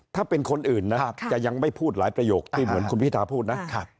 ถ้าเป็นคนอื่นนะจะยังไม่พูดหลายประโยคที่เหมือนคุณพิทาพูดนะ